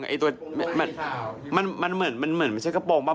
ไม่ใช่เสื้อกระโปรงไอ้ตัวมันเหมือนมันเหมือนไม่ใช่กระโปรงหรือเปล่า